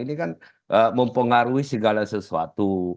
ini kan mempengaruhi segala sesuatu